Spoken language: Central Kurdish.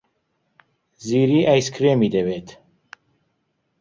زیری ئایسکرێمی دەوێت.